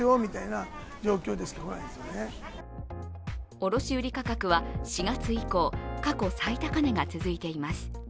卸売価格は４月以降、過去最高値が続いています。